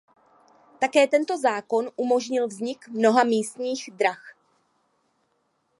Také tento zákon umožnil vznik mnoha místních drah.